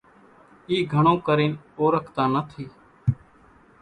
اِي گھڻون ڪرينَ اورکاتان نٿِي۔